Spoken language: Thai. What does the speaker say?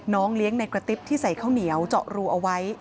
เลี้ยงในกระติ๊บที่ใส่ข้าวเหนียวเจาะรูเอาไว้